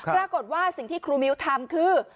ปรากฏว่าสิ่งที่ครูมิ้วทำคือ